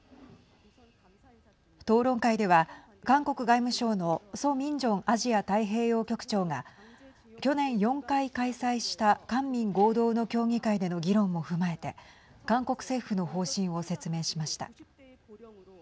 討論会では韓国外務省のソ・ミンジョンアジア太平洋局長が去年４回開催した官民合同の協議会での議論も踏まえて韓国政府の方針を説明しました。